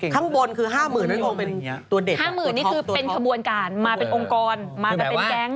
ข้างบนอะตัวเด็ดยังเป็นภารกิณห์ครบ๕๐๐๐บาทนี่คือเป็นขบวนการมาเป็นองค์กรมาเป็นแก๊ง